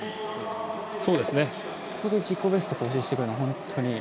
ここで自己ベスト更新してくるのは本当に。